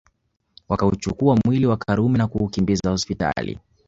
Wakauchukua mwili wa Karume na kuukimbiza hospitali